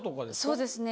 そうですね。